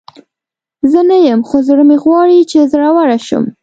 زه نه یم، خو زړه مې غواړي چې زړوره شم.